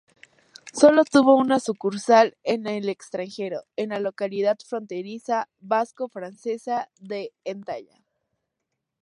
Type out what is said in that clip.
Solo tuvo una sucursal en el extranjero, en la localidad fronteriza vasco-francesa de Hendaya.